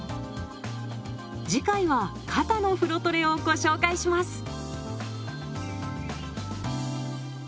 次回は「肩」の風呂トレをご紹介します。